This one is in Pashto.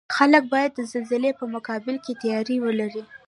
خلک باید د زلزلې په مقابل کې تیاری ولري